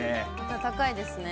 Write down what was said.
暖かいですね。